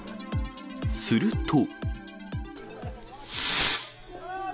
すると。